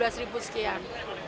dua belas ribu sekian